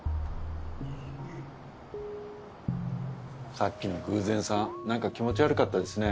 さっきの偶然さんなんか気持ち悪かったですね。